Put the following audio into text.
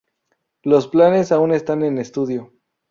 Los planes aún están en estudio.